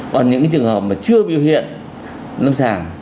còn những trường hợp mà chưa biểu hiện lâm sàng